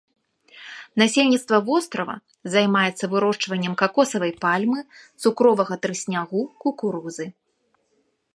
Насельніцтва вострава займаецца вырошчваннем какосавай пальмы, цукровага трыснягу, кукурузы.